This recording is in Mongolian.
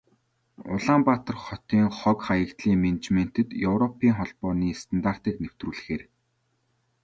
Улаанбаатар хотын хог, хаягдлын менежментэд Европын Холбооны стандартыг нэвтрүүлэхээр төлөвлөж байна.